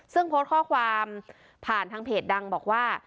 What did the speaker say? ซึ่งโพสต์ข้อความผ่านทางเพจดังบอกว่า